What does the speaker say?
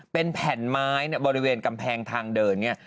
เป็นแผ่นไม้บริเวณกำแพงทางเดินเนี่ย